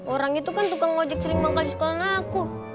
orang itu kan tukang ngajak sering banget sekolahnya aku